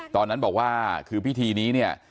ตอนนั้นบอกว่าคือพิธีนี้เนี่ย